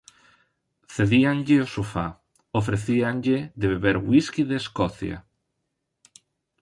Cedíanlle o sofá, ofrecíanlle de beber whisky de Escocia.